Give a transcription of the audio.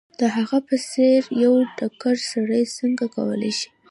د هغه په څېر یو ډنګر سړی څنګه کولای شي